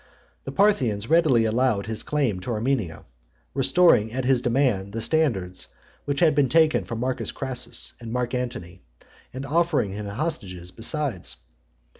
The Parthians readily allowed his claim to Armenia; restoring at his demand, the standards which they had taken from Marcus Crassus and Mark Antony, and offering him hostages besides.